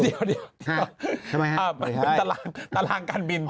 ทำไมฮะมันเป็นตารางการบิน